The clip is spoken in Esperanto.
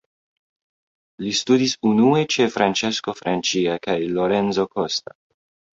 Li studis unue ĉe Francesco Francia kaj Lorenzo Costa.